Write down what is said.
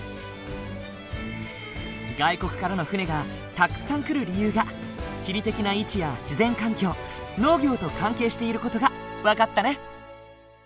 外国からの船がたくさん来る理由が地理的な位置や自然環境農業と関係している事が分かったね。